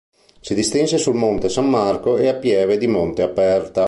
Si distinse sul Monte San Marco e a Pieve di Monte Aperta.